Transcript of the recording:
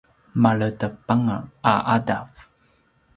maledepanga a ’adav